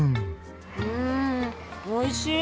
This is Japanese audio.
うんおいしい！